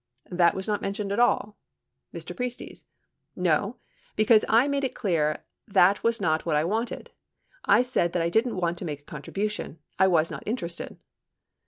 That was not mentioned at all ? Mr. Priestes. No, because I made it clear that was not what I wanted. I said that I didn't want to make a contribution. I was not interested.